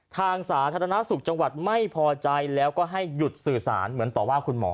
สาธารณสุขจังหวัดไม่พอใจแล้วก็ให้หยุดสื่อสารเหมือนต่อว่าคุณหมอ